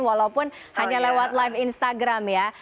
walaupun hanya lewat live instagram ya